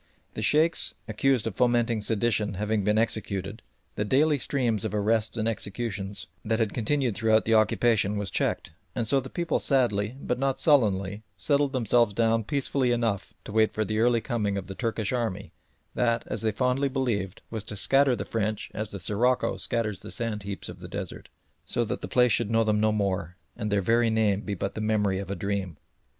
The Sheikhs accused of fomenting sedition having been executed, the daily stream of arrests and executions that had continued throughout the occupation was checked, and so the people sadly, but not sullenly, settled themselves down peacefully enough to wait the early coming of the Turkish army that, as they fondly believed, was to scatter the French as the sirocco scatters the sand heaps of the desert, so that the place should know them no more, and their very name be but as the memory of a dream.